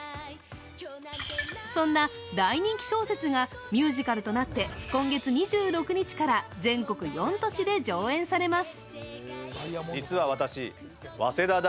そんな大人気小説がミュージカルとなって今月２６日から全国４都市で上映されます。